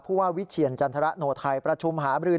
ผู้ว่าวิเชียรจันทรโนไทยประชุมหาบรือ